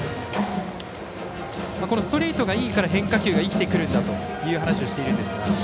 ストレートがいいから、変化球が生きてくるんだという話をしているんですが。